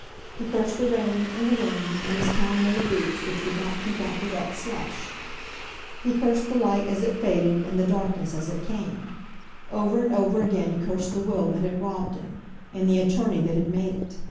He cursed the rain, and the wind, and his town made boots, which would not keep out the wet slush. He cursed the light as it faded, and the darkness as it came. Over and over again he cursed the will that had robbed him, and the attorney that had made it.